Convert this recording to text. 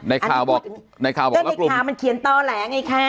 ในข่าวบอกในข่าวบอกว่าในข่าวมันเขียนต่อแหลไงคะ